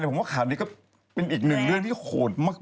แต่ผมว่าข่าวนี้ก็เป็นอีกหนึ่งเรื่องที่โหดมาก